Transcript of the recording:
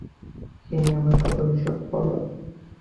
সে আমার প্রদর্শক, বলদ!